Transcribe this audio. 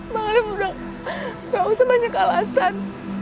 bang alim udah gak usah banyak alasan